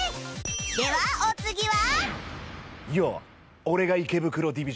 ではお次は